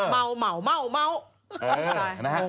เม่าเม่าเม่าเม่า